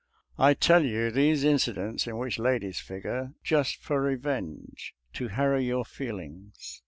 I tell you these incidents in which ladies figure, just for revenge — to harrow your feelings.